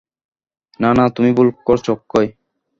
না না, তুমি ভুল করছ অক্ষয়!